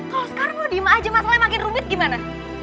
kalo sekarang lo diem aja masalahnya makin rubit gimana